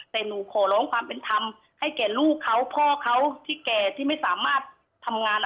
แต่หนูขอร้องความเป็นธรรมให้ลูกเขาพ่อเขาที่ไม่สามารถทำงานอะไร